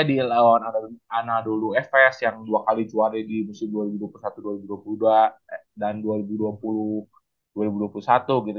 di lawan anadolu efes yang dua kali juara di musim dua ribu dua puluh satu dua ribu dua puluh dua dan dua ribu dua puluh dua ribu dua puluh satu gitu